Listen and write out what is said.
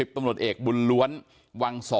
ตำรวจเอกบุญล้วนวังสอ